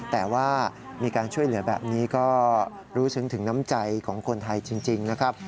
แต่ว่ามีการช่วยเหลือแบบนี้ก็รู้ซึ้งถึงน้ำใจของคนไทยจริงนะครับ